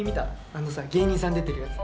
あのさ芸人さん出てるやつ。